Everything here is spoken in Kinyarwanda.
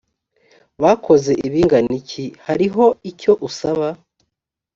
bakoze ibingana iki hariho icyo usaba